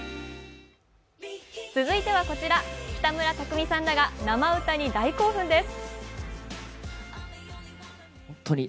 続いてはこちら、北村匠海さんらが生歌に大興奮です。